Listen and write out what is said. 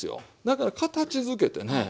だから形づけてね